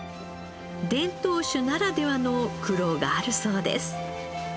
伝統種ならではの苦労があるそうです。